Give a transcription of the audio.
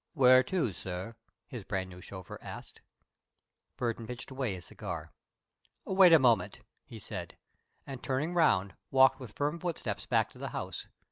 "Where to, sir?" his brand new chauffeur asked. Burton pitched away his cigar. "Wait a moment," he said, and turning round, walked with firm footsteps back to the house.